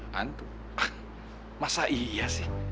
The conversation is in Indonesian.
hantu masa iya sih